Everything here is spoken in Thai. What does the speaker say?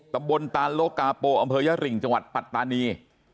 ตำบลตานโลกาโปอำเภอยริงจังหวัดปัตตานี